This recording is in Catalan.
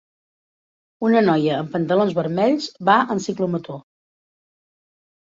una noia amb pantalons vermells va en ciclomotor.